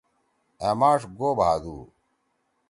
أ ماݜ گو بھادُو۔